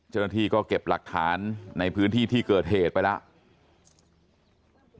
เจ้าหน้าที่ก็เก็บหลักฐานในพื้นที่ที่เกิดเหตุไปแล้ว